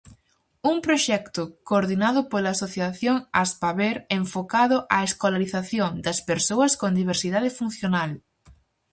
Un proxecto coordinado pola asociación Aspaber enfocado á escolarización das persoas con diversidade funcional.